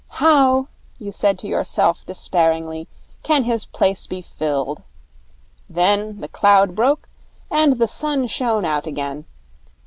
How, you said to yourself despairingly, can his place be filled? Then the cloud broke, and the sun shone out again.